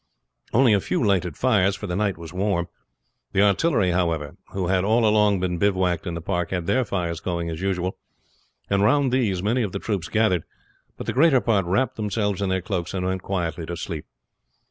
Only a few lighted fires, for the night was warm. The artillery, however, who had all along been bivouacked in the park, had their fires going as usual, and round these many of the troops gathered, but the greater part wrapped themselves in their cloaks and went quietly to sleep.